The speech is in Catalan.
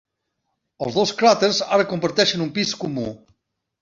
Els dos cràters ara comparteixen un pis comú.